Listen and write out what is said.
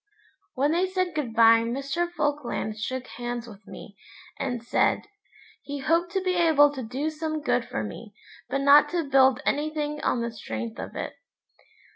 When they said good bye Mr. Falkland shook hands with me, and said 'he hoped to be able to do some good for me, but not to build anything on the strength of it.'